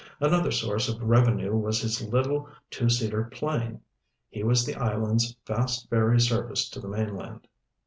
Another source of revenue was his little two seater plane. He was the island's fast ferry service to the mainland.